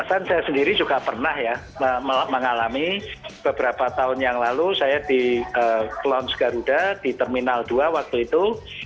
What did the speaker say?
saya sendiri juga pernah ya mengalami beberapa tahun yang lalu saya di klons garuda di terminal dua waktu itu